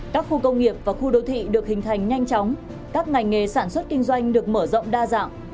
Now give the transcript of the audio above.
các khu công nghiệp và khu đô thị được hình thành nhanh chóng các ngành nghề sản xuất kinh doanh được mở rộng đa dạng